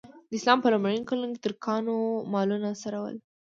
د اسلام په لومړیو کلونو کې ترکانو مالونه څرول.